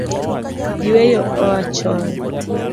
Yueyo oa chon